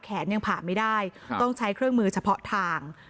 ยังผ่านไม่ได้ต้องใช้เครื่องมือเฉพาะทาง